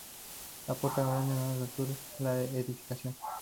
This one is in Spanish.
La puerta grande está al sur de la edificación.